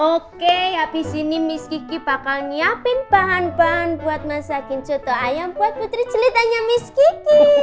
oke habis ini miss kiki bakal nyiapin bahan bahan buat masakin soto ayam buat putri ceritanya miskin